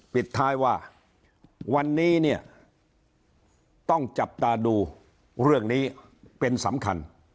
ปิดท้ายว่าวันนี้เนี่ยต้องจับตาดูเรื่องนี้เป็นสำคัญ